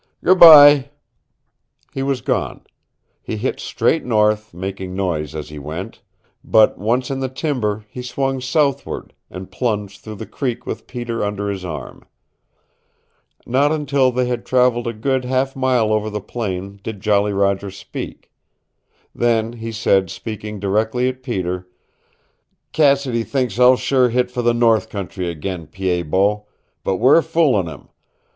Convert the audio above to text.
Goodby " He was gone. He hit straight north, making noise as he went, but once in the timber he swung southward, and plunged through the creek with Peter under his arm. Not until they had traveled a good half mile over the plain did Jolly Roger speak. Then he said, speaking directly at Peter, "Cassidy thinks I'll sure hit for the North country again, Pied Bot. But we're foolin' him.